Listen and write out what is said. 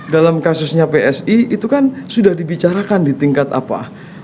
dalam kasusnya psi itu kan sudah dibicarakan di tingkat apa